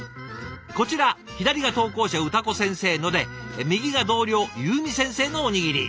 こちら左が投稿者うたこ先生ので右が同僚ゆうみ先生のおにぎり。